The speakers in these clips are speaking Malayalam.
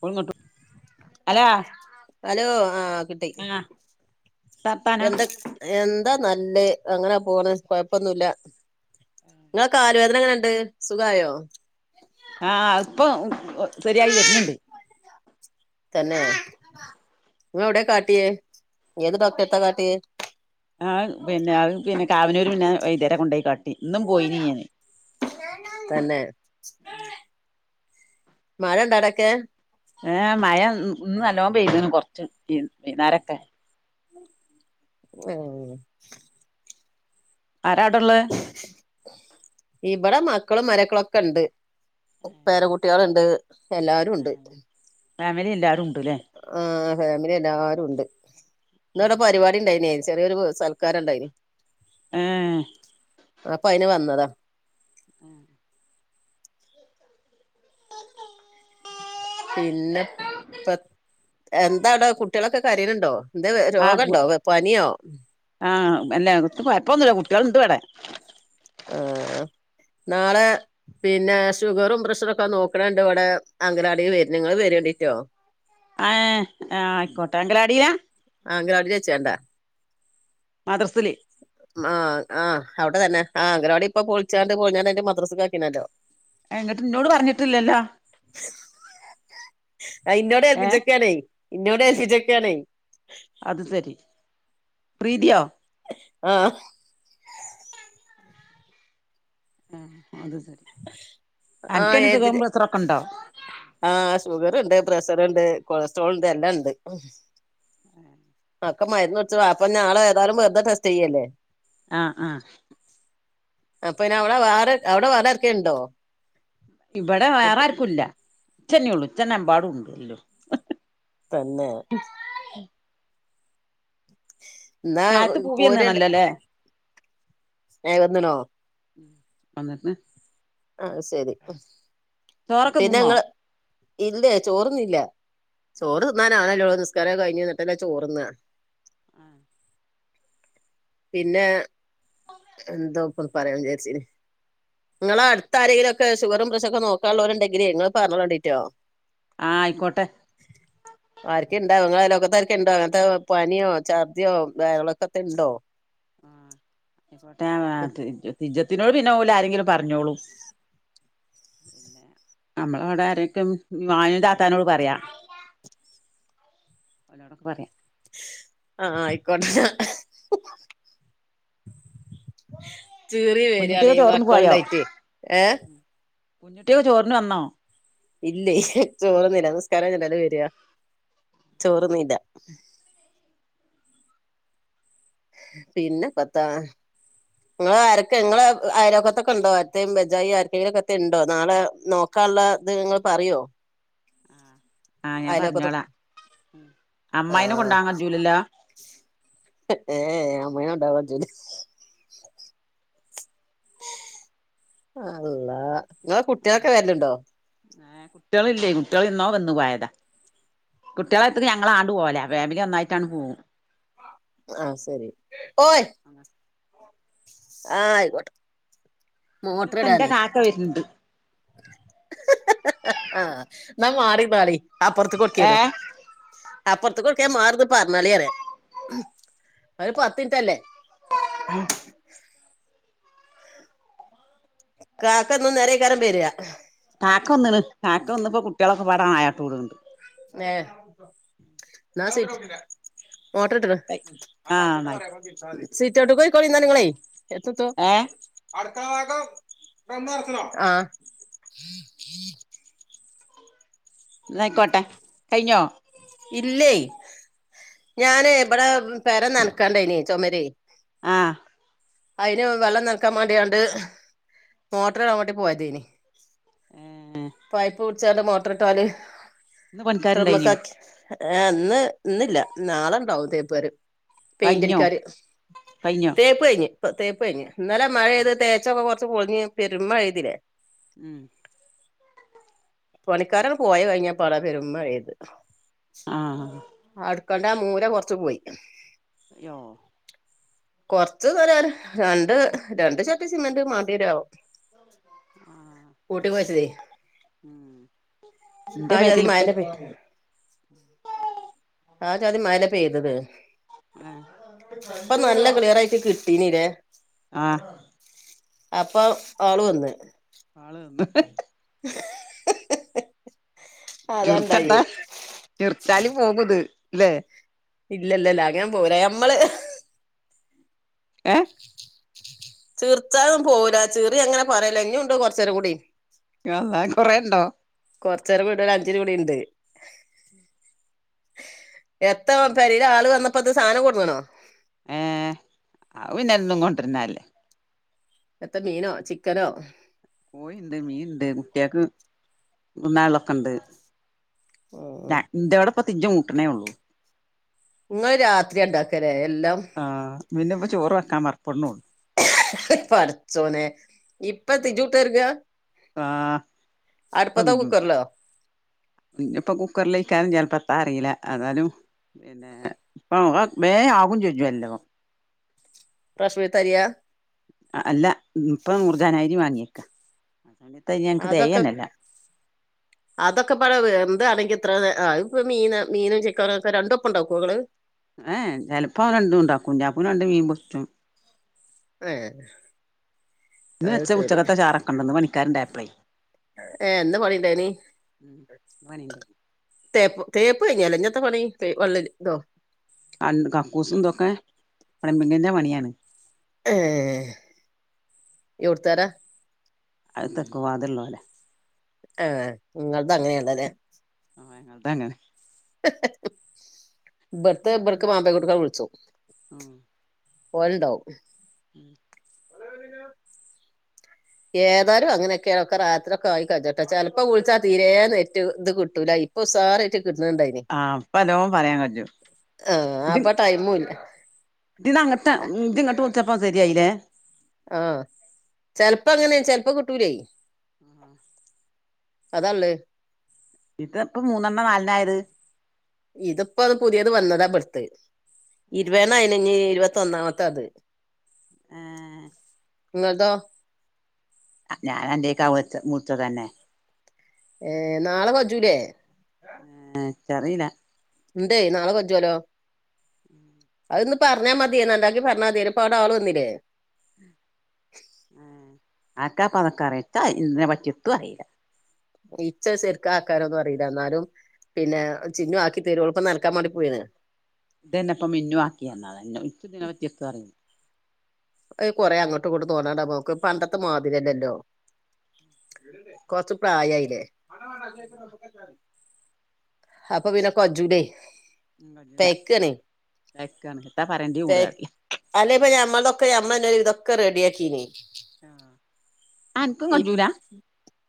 [unintelligible] ഹലാ ഹലോ ആ കിട്ടി. എത്താർത്താനം എന്താ എന്താ നല്ലെ അങ്ങനെ പോണ് കൊഴപ്പൊന്നുല്ല. നിങ്ങള കാലു വേദന എങ്ങനെണ്ട് സുഖായോ? ആ അത് ഇപ്പോ ശരിയായി വരുന്നുണ്ട്. തന്നെ? ഇങ്ങള് എവിടെയ കാട്ടിയേ ഏത് ഡോക്ടേത്ത കാട്ടിയേ? ആ പിന്നെ അത് പിന്നെ കാവുനൂര് പിന്നെ വൈദ്യരെ കൊണ്ടോയി കാട്ടി ഇന്നും പോയിന് ഞാന്. തന്നെ മഴ ഉണ്ടോ അവിടൊക്കെ ഏഹ് മഴ ഇന്ന് ഇന്ന് നല്ലോം പെയ്തിക്ക്ണ് കൊർച്ചീട്ടീ വെന്നാരക്കെ എഹ് ആരാ അവിടെ ഉള്ളെ ഇബടെ മക്കളും മരുമക്കളും ഒക്കെ ഉണ്ട് പേരകുട്ട്യാളുണ്ട് എല്ലാരുണ്ട് ഫാമിലി എല്ലാരും ഉണ്ട്ല്ലേ ആഹ് ഫാമിലി എല്ലാരും ഉണ്ട് ഇന്നോടെ പരിപാടി ഇണ്ടായിനേ ചെറിയൊരു സൽക്കാര ഇണ്ടായിനി ഏഹ് അപ്പൊ അയിന് വന്നതാ ഉ ഏഹ് പിന്നെ ഇപ്പത് എന്താവിട കുട്ടികളൊക്കെ കരയണ് ണ്ടോ എന്തെ ആഹ് രോഗണ്ടോ പനിയോ ആഹ് അല്ല എത്തു കുഴപ്പൊന്നുല്ല കുട്ടികളുണ്ട് ഇവിടെ ആഹ് നാളെ പിന്നെ ഷുഗറും പ്രഷറും ഒക്കെ നോക്കണ് ഇണ്ട് ഇവിടെ അംഗനവാടി വര്ന് ഇങ്ങൾ വരേണ്ടിറ്റോ ആഏ ആഹ് ആയിക്കോട്ടെ അംഗലവാടിയിലാ ആഹ് അംഗനവാടിയിൽ വച്ചാണ്ടാ മദ്രസിൽ ആഹ് ആഹ് അവിടെത്തന്നെ ആ അംഗനവാടി ഇപ്പൊ പൊളിചാണ്ട് പൊളിഞ്ഞണ്ട് ഇപ്പൊ മദ്രസ്‌കാക്കീണല്ലോ എന്നിട്ട് എന്നോട് പറഞ്ഞിട്ടില്ലല്ലോ അഹ് ഇന്നോട് ഏഹ് ഏൽപ്പിച്ചക്കാണ് ഇന്നോട് ഏൽപ്പിച്ചക്കാണെ അത് സരി പ്രീതിയോ ആഹ് ആഹ് അത് സരി ആഹ് ഏപിദ് പ്രസവൊക്കെണ്ടോ ആഹ് ഷുഗർ ഉണ്ട് പ്രഷർ ഉണ്ട് കൊളസ്ട്രോൾ ഉണ്ട് എല്ലാം ഉണ്ട് ഏഹ് ആക്കെ മരുന്നകുടിച്ചു വാപ്പന്നാളെ ഏതാലും വെർത ടെസ്റ്റ് ചെയ്യല്ലേ ആഹ് ആഹ് അപ്പ പിന്നെ അവിടെ വേറെ അവിടെ വേറെ ആർക്കെങ്കിലും ഉണ്ടോ ഇവിടെ വേറെ കുട്ടി ആർക്കും ഇല്ല ഛെന്നേള്ളു ജ്ജന്നെ എമ്പാട് ഉണ്ട്ല്ലോ തന്നെ എന്നാ താഴ്ത്ത് പൂവി വന്ന്ണല്ലൊലേ എ [unintelligible] ഉം അന്നട്ട് ആഹ് ശരി പിന്നെ തിന്നോ ങ്ങ ഇല്ലേ ചോറന്നില്ല ചോറ് തിന്നാൻ ആവ്ണ്ടല്ലെള്ളൂ നിസ്കാരം കഴിഞ്ഞന്ന്ട്ടല്ലേ ചോറ്ന്നാ ആഹ് പിന്നെ എന്താ ഇപ്പൊന്ന് പറയാൻ വിചാരിച്ചിനെ ഇങ്ങളെ അടുത്ത് ആരെങ്കിലൊക്കെ ഷുഗറും പ്രഷറുക്കെ നോക് ക്ക ഉള്ളോരുണ്ടെങ്കില് ഇങ്ങള് പർഞ്ഞോളോണ്ടിട്ടോ ആഹ് ആയിക്കോട്ടെ ഉ ആർക്കേലും ഇണ്ടോ ഇങ്ങളെ അയലൊക്കത്തെ ഇണ്ടോ ഇങ്ങൻത്തെ പനിയോ ചർദ്ദിയോ വയറിളക്കത്തേണ്ടോ ആഹ് റ്റ് ആയിക്കോട്ടെ തീജ്ജത്തി നോട്‌ ഇന്നപോലെ ആരെങ്കിലും പറഞ്ഞോളും അമ്മള അവിടെ ആരൊക്കെ മാനൂന്റ താത്താനോട് പറയാ ഓലോടൊക്കെ പറയാ ആഹ് ആയിക്കോട്ടെ ചിറിവരാണേ കുഞ്ഞുട്ടിയൊക്കെ ചോറിന്ന് മക്കള്ണ്ടാറ്റെ ഏ കുഞ്ഞിട്ടി ഒക്കെ ചോറിനു വന്നോ ഇല്ലേ ചോറിന്നില്ല നിസ്കാരം കൈഞ്ഞിട്ടല്ലേ വരാ ചോറ്ന്നീല്ല പിന്നെപ്പന്താ ഇങ്ങളെ ആരെക്കെ ഇങ്ങളെ അലോക്കതൊക്കെണ്ടോ എത്തെ ബെജ്‌ജായി ആർക്കേലു എത്തെ ഇണ്ടോ നാളെ നോക്ക് ആക്കെങ്കുംൊക്കെ ഉണ്ടോ നാളെ നോ ക്കള്ളത് ഇങ്ങള്പറയോ ആഹ് ഞാൻ പറഞ്ഞോള അഅമ്മായിനെ ആഹ് കൊണ്ടാൻ കജ്ജൂലല്ലോ ഏ അേ അമ്മായിനെണ്ടാവാൻ കജ്ജൂല അള്ള ഇങ്ങളെ കുട്ടിയാളൊക്കെ വര്ലുണ്ടോ കുട്ടിയളില്ലേ കുട്ടിയള് എന്നോ വന്നു പോയതാ കുട്ടിയളെ എടുത്തിട്ട് ഞങ്ങളാണ്ട് പോവുലേ ഫാമിലി ഒന്നായിട്ടാണ്ട് പോവും ആഹ് ശരി ഓയ് ആഹ് ആയിക്കോട്ടെ മോട്ടർ പിന്നെത്ത എന്റെ ഇടാനേ കാക്ക വരുന്നുണ്ട് ഹ ഹ ഹ ന്നാ മാറിന്നാളി അപ്പൊറത്ത്ക്ക് ഏ കൊട്ക്കേനു അപ്പൊറത്ത്ക്ക് കൊട്ക്കാ ഞാ മാറിന്ന് പറഞ്ഞാളിറിയാ ഒരു പത്ത്ൻറ്റല്ലേ ഉം കാക്ക ഇന്നും നേരെയിക്കാരം ബരാ കാക്ക വന്ന്ണ് കാക്കവന്ന് പ്പൊ കുട്ടിയാളൊക്കെപ്പം നയാട്ട് കൂട്ണ്ട് മേ ന്നാ സിറ്റ് മോട്ടർ ഇട്ട്ണ് ആഹ് നായി സീറ്റോട്ട്ക്ക്യിക്കാളിന്നാല്ങ്ങളെ എത്ത്ത്തോ ഏ അടുക്കള ഭാഗം ബന്ന്നർച്ചുണോ ആഹ് ന്നായിക്കോട്ടെ കഴിഞ്ഞോ ഇല്ലേ ഞാന് ഇബിടെ പെര നനക്കാൻണ്ടേനി ചുമരെ ആഹ് അയിന് വെള്ളം നൻക്കാൻ മാണ്ടിയാണ്ട് മോട്ടറ്ടാൻമാണ്ടി പോയതേനി ഉം പൈപ്പ് കുടിച്ചാണ്ട് മോട്ടർ ട്ടാല് ഇന്ന് ത്രമ്മ് പണിക്കാരുണ്ടായിനോ ക്കാക്കി ഏ് ഇന്ന് ഇന്നില്ല നാളെണ്ടാവുംതേപ്പാര് കഴിഞ്ഞോ പെയിന്റ്ടിക്കാാര് കഴിഞ്ഞോ തേപ്പ്ഴിഞ്ഞ് തേപ്പ് കഴഞ്ഞ് ഇന്നലെ മഴെയ്ത് ആഹ് തേച്ചൊക്കെ കൊറച്ച് പൊളിഞ് പെരു മഴ്തില്ലേ ഉം പണിക്കാരൊക്കെ പോയ കഴിഞ്ഞപാടെ പെരുമ്മഴയിത് ആഹ് അടുക്കളന്റെ ആ മൂല കൊറച്ച് പോയി യ്യോ കൊറച്ച് സലാ രണ്ട് രണ്ട് ചാക്ക് സിമെന്റ് മാണ്ടിയരാവോ ആഹ് കൂട്ടികൊഴച്ചതെ ഇന്റെ ആ ജാതി പെരിൽ ഇപ്പൊ മഴന്നെ പെയ് എത്തു [inaudible] ആജാതി മഴല്ലേ പെയ്തത് ആഹ് ഇപ്പൊ നല്ല ക്ലിയർ ആയിട്ട് കിട്ടീനിലേ ആഹ് അപ്പൊ ആള് വന്ന് ആള് വന്ന് ചിറ്ച്ചെണ്ട അതാണ്ടായേ ചിറ്ച്ചാല് പോവുത് ലെ ഇല്ലല്ലല്ല അങ്ങനെ പോവൂല നമ്മള് ഏ ചിറിച്ചലും പോവില ചിറിയങ്ങനെ പറയല ഇനി ഉണ്ട് കുറച്ചേരം കൂടി യാ അള്ളാഹ് കൊറേ ഒണ്ടോ കൊറച്ച നേരം വീട്ട ഒരു അഞ്ച് രൂപയിവിടെയുണ്ട് എത്തോ പെരീൽ ആള് വന്നപ്പോത് സാധനം കൊടുന്നോണോ ഏഹ് അവ് പിന്നെന്നും കൊണ്ടിരുന്നല്ലേ ഇന്നത്തെ മീനോ ചിക്കനോ കോഴി ഇണ്ട് മീൻ ഇണ്ട് കുട്ടിയക്ക് തിന്നാലൊക്കെ ഉണ്ട് ഉം ഇതാ എന്തവിടെ ഇപ്പ തിഞ്ച ഊട്ടണേ ഉള്ളൂ നിങ്ങള് രാത്രി ഇണ്ടാക്കല് എല്ലാം ആഹ് പിന്നെപ്പ ചോറ് വെക്കാൻ [unintelligible] പടച്ചോനെ ഇപ്പ തിജൂട്ടരുക ആഹ് അടുപ്പത്തോ അതിന്നു കുക്കറിലോ ഇപ്പ കുക്കറിൽ ഇക്കാനും ചിലപ്പത്താ അറിയില്ല അതാലും പിന്നെ ഇപ്പം വേഗം ആവു ചോദിച്ചല്ലോ റോഷനിത് അരിയ അല്ല ഇപ്പം നൂർജഹാൻ അരി വാങ്ങിയേക്ക ഇന്നത്ത അരി ഞങ്ങക്ക് അതൊക്കെ തെകയനില്ല അതൊക്കെ പ എന്താണെങ്കി ഇത്ര ഇപ്പ മീന മീനും ചിക്കനേക്കെ രണ്ടപ്പം ഉണ്ടാക്കുമൊ ങ്ങള് ഏഹ് ചിലപ്പോ രണ്ടും ഉണ്ടാക്കും ജാക്കുന് രണ്ട് മീൻ പൊരിച്ചതും ഏഹ് അത് സെരി അന്നന്ന് പണിക്കാരുണ്ടായപ്പളേ ഏഹ് എന്ത പണി ഇണ്ടായിനി പണിണ്ട് തേപ്പ് തേപ്പ് കഴിഞ്ഞാലോ ഇനിത്തെ പണി വള്ള ഇതോ അല്ല കക്കൂസും ഇതൊക്കെ [unintelligible] പണിയാണ് ഏഹ് എവിടുത്തുകാര അത് തെക്കു വാതിൽ ഉള്ളൊരെ ആഹ് നിങ്ങളത് അങ്ങനെയണ്ടല്ലേ ആഹ് അങ്ങനെ തന്നെണ് ഇബടുത്തെ അങ്ങനെ ഇബർക്ക് മാമ്പേകൊടുക്കാൻ വിളിച്ചോ ഓന്ണ്ടാവും [inaudible] [inaudible] ഏതാലും അങ്ങനെക്കെയൊക്കെ രാത്രിക്കെ ആയികഴിഞ്ഞ ചെലപ്പോ വിളിച്ചാൽ തീരേ നെറ്റ് ഇത് കിട്ടൂലയിന് ഉസാറായിട്ട് കിട്ടുന്നുണ്ടായിനി ആഹ് ഇപ്പ നല്ലോം പറയാൻ കജ്ജും ആഹ് അപ്പ ടൈമു ഇല്ല ദിനാങ്ങട്ട് നീ ദിങ്ങട്ട് വിളിച്ചപ്പം ശരിയായില്ലേ ആഹ് ചെലപ്പോ അങ്ങനെ ചെലപ്പോ കിട്ടൂലേ [inaudible] അതല്ലേ ഇതെപ്പം മൂന്നെണ്ണം വാലിടായത് ഇതിപ്പോ അത് പുതിയത് വന്നതാ ഇപടുത്തെ ഇരുപേനാതിനിഞ്ഞീ ഇരുപത്തൊന്നാമത്തെ അത് ആഹ് നിങ്ങളെതാ ഞാൻ എന്റെ [unintelligible] മുറിച്ച തന്നെ ഏ നാളെ വാച്ചൂല്ലേ ആഹ് എനിക്ക് അറിയില്ല എന്തേ നാളെ പറ്റുവലോ അതൊന്ന് പറഞ്ഞാ മതിയേന്നണ്ടാക്കി പറഞ്ഞാ മതിയേ ഇപ്പ അവിടെ ആള് വന്നില്ലേ ഉം ആർക്കാ ഇപ്പ അതക്കറിയാ [unintelligible] എക്കു അറിയില്ല ഇച്ച് ശരിക്ക് ആക്കാനൊന്നും അറിയില്ല എന്നാലും പിന്നെ ചിന്നു ആക്കി തരും അവളിപ്പോ നടക്കാൻ വേണ്ടി പോയിണ് ഇതന്നെപ്പം മിന്നുവാക്കിന്നതാ ഇച്ച്ദിനപറ്റി എത്തും അറി അ കൊറെ അങ്ങട്ട് ഇങ്ങട്ടും തോന്ണ്ടണ്ടാ നമക്ക് പണ്ടത്തെ മാതിരില്ലല്ലോ. കൊറച്ച് പ്രായയില്ലേ അപ്പൊ പിന്നെ കജ്ജുലെ [unintelligible] എത്ത പറയണ്ടേ പുഡീല്ല അല്ലേ ഇപ്പ ഞമ്മൾതൊക്കെ നമ്മ ന്നെ ഒരു വിതൊക്കെ റെഡിയാക്കീ നി ആഹ് അനക്കും ഇ കജ്ജൂല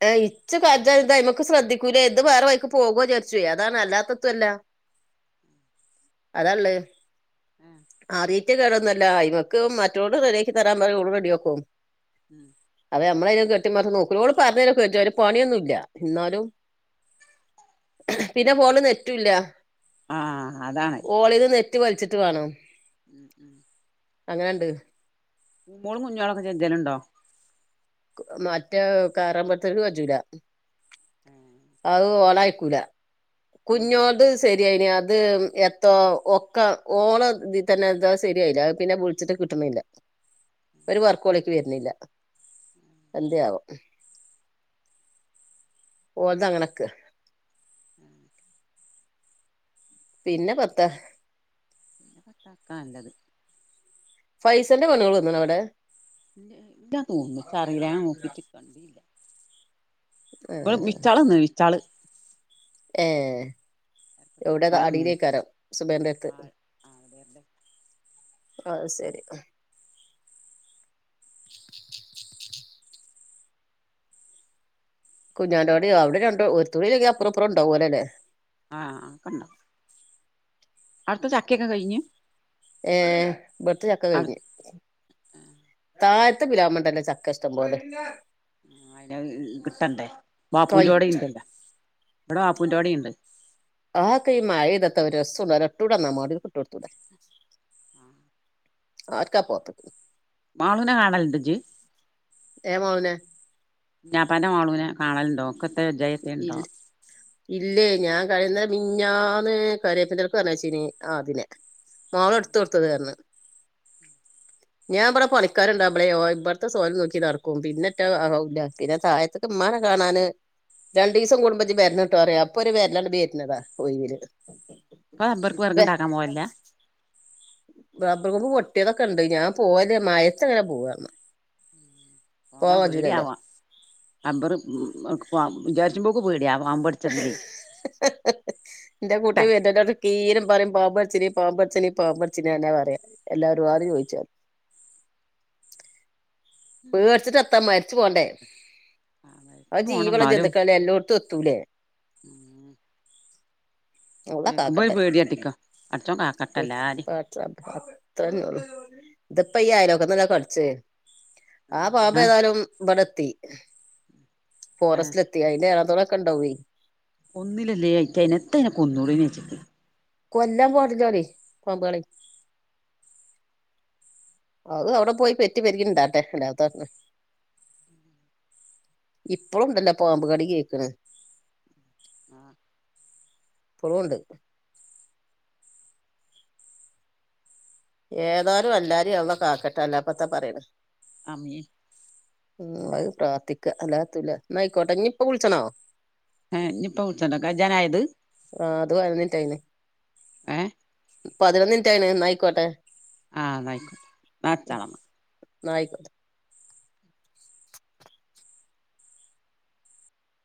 ഏ ഇച്ച് കജ ഇതായ്മക്ക് ശ്രധിക്കുലെ ഇത് വേറെ വൈക്ക് പോകുവോ ചാര് ച്ച് അതാണ് അല്ലാത്തത്തൊല്ല അതാള്ളെ അറിയേറ്റ കേടൊന്നല്ല അയിമക്ക് മറ്റോ ളൊട് റെഡിയാക്കി തരാൻ പറഞ്ഞ ഓള് റെഡിയാക്കും. മ് അതാ നമ്മള് അയ്ന് കെട്ടി മറിഞ്ഞ് നോക്കുല ഓള് പറ്ഞ്ഞരുക്കെയ് ചും ഒ അയ്ന് പണിയൊന്നുല്ല ന്നാലും പിന്നെ ഫോണില് നെറ്റുല്ല ആഹ് അതാണ് ഓളീന്ന് നെറ്റ് വല്ച്ച്ട്ട് വാണം. മ് മ് അങ്ങനെണ്ട് പൂ മോളും കുഞ്ഞോളൊക്കെ ചെജ്ജലുണ്ടോ മറ്റേ ആ കറാമ്പറ് ത്തോൽക്ക് കജൂല ഏഹ് അഹ് ഓളായിക്കൂല കുഞ്ഞോള്ത് ഉം സ് ശരിയായിന് അത് എത്ത ഒക്ക ഓളോ ഇതിതന്നെ എന്താ ശരിയായില്ല അഹ് പിന്നെ വിൾച്ച്‌ട്ട് കിട്ട്ണ്ല്ല. ഒരു വർക്കോളേക്ക് വരുന്നില്ല എന്തേയാവോ? ഓല്ത് അങ്ങനക്ക പിന്നെ പത്ത ഒക്കെ നല്ലത് ഫൈസൽന്റെ പെണ്ണുങ്ങള് വന്ന് ണോ വ ടെ ഇല്ല ഇല്ലാ തോന്ന്ന്നു ഇച്ച റീല്ല ഞാൻ നോക്കിട്ട് കണ്ടീല്ല ബള് ബിച്ചാളന്ന്ണ് വിച്ചാള് ഏഹ് എരക്കത്തെ എവിടെ വിച്ചാള് വന്ന്ണ് അടിയിലേക്കരം. സുബേർന്റെട്ത്ത് ആ ആൾബെര്ടെ ആ ശരി കുഞ്ഞാന്റോടി അവിടെ രണ്ട് ഒരു തൂടീല്ലങ്കിഅപ്പുറപ്പറ ഉണ്ടാവോലെ ല്ലേ ആഹ് അപ്പണ്ടാവും അടുത്ത ചക്കയൊക്കെ കഴിഞ്? ഏഹ് ഇബട്ത്തെ ചക്ക അട് കഴിഞ്ഞ് താഴത്ത പിലാവ് മ്മ ണ്ടല്ലോ ചക്ക ഇഷ്ടം പോലെ ആ അയ്നഹ് കിട്ടണ്ടേ ബാപ്പൂന്റെ ടീം കൈറ്റ് ഇണ്ടല്ലേ ഇമ്പടെ ബാപ്പൂന്റോടി ണ്ട്. ആ ഒക്കെ ഈ മഴ യ്താ ത്താഒരു രസംണ്ടാവൂല ഇട്ടൂടാന്നാ മാണ്ടിയാൽക്ക് ഇട്ടൊടുത്തൂടെ. ആർക്കപോത്ത മാളുനെ കാണല്ണ്ട് ജ് ഏ മോനെ കുഞാപ്പാന്റെ മാളുനെ കാണലുണ്ടോ ഓക്ക ഇൽ ഇല്ലേ ഞാൻ കഴിഞ്ഞെ മിഞ്ഞാന്ന് കരേയ്പ്പിന്റലക്ക് പർഞ്ഞേച്ചീന് ആ ദിനെ മാളു ട്ത്തൊടുത്തത് റഞ് ഞാൻ ഇമ്പടെ പണിക്കാര്ണ്ടാവുമ്പളെ ഓ ഇമ്പട്ത്തെ സോലും നോക്കി നടക്കും പിന്നെ റ്റെ അഹ് ല്ല പിന്നെ താഴത്ത് ഇമ്മാനെ കാണാന് രണ്ടുസം കൂടുമ്പോ ജ്വരന്നട്ടോ പറയും അപ്പൊര് വരലാണ് വേരുന്നതാ ഒ യിവിൽ പാ ആ റബ്ബർക്ക് വറക് ണ്ടാക്കാ പോവേല്ല റബ്ബർ കൊമ്പ് പൊട്ടിയതൊക്കെ ണ്ട് ഞാൻ പോവല്ല മയത്ത് എങ്ങനെ പോവാന്നാ പോകാൻ പേടിയാവാ അമ്പറ് വിചാരിച്ച് പോക്ക് പേടിയാവാ എന്റെ ട്ടാ [unintelligible] പറയും പാമ്പടച്ചിനീ പാമ്പടച്ചിന പാമ്പടച്ചിന എന്ന പറയാം എല്ലാരും ആദ്യം ചോയിച്ചാ പേടിച്ചിട്ട് എത്താ മരിച്ചു പോണ്ടേ ആ മരിച്ചു അഹ് ജീവള ചന്തുക്കല്ലേ എല്ലോട്ത്തും എത്തൂലേ ഉം അള്ളാ കേക്കുമ്പോ ഒര് കാക്കട്ടെ പേടിയട്ടിക്കോ. അടച്ചോം കാക്കട്ടല്ലാരിം. [unintelligible] അത്രന്നെ ഒള്ളൂ. ത്പ്പയീ അയലോക്കത്ത് ന്നല്ലേ കടിച്ചെ. ആ പാമ്പ് ഏ ഏതാലും ബടെത്തി. ഏ ഫോറസ്റ്റ്ലത്തി. അതി [unintelligible] ‌ക്കണ്ടാവെയ് ഒന്നിലല്ലേ അയിറ്റയിന്. എത്തയിനെ കൊുന്നൂടെയ്ന്യോ അയ്റ്റയ്ക്ക്. കൊല്ലാം പാടില്ലോലെയ്. പാമ്പേളെയ്. അത് അവ്ടെ പ്പോയി പെറ്റ് പെര്കിൺണ്ടാവട്ടെ. അല്ലാതെ ത്താട്ട്ണ്. ഇപ്പളും ണ്ടല്ലൊ പാമ്പ് കടി കേൾക്ക്ണ്. ആഹ് ഇപ്പലുണ്ട് ഏതാലും എല്ലാരും അള്ള കാക്കട്ടെ അല്ലാപ്പത്ത പറയണ ആമീൻ ഉം. അത് പ്രാർത്ഥിക്ക. അല്ലാതെഎത്തൂല്ല. ന്നാ അയിക്കോട്ടെ. ഇഞ് ഇപ്പ വിളിച്ചണോ? ഏ, ഞ്ഞ്പ്പ വിളിച്ചണ്ട. ക ജ്ജാനായ ത്. ആ അത് പതിനൊന്ന് ഏ പതിനൊന്നിൻറ്റായ്ണ്. ന്നായിക്കോട്ടെ. ആഹ് ന്നാ അയിക്കോട്ടെ. ന്നാ ച്ചളന്നാ ന്നായിക്കോ [unintelligible]